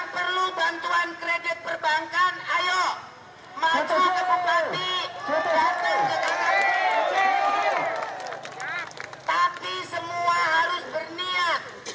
kalau nggak setuju tak cabut lagi